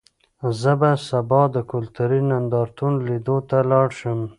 زه به سبا د کلتوري نندارتون لیدو ته لاړ شم.